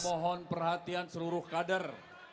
mohon perhatian seluruh kader